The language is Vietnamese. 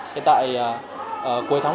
hiện tại cuối tháng một mươi một